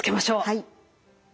はい。